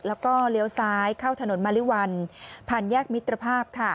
แล้วก็เลี้ยวซ้ายเข้าถนนมาริวัลผ่านแยกมิตรภาพ